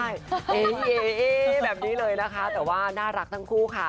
เอ๊แบบนี้เลยนะคะแต่ว่าน่ารักทั้งคู่ค่ะ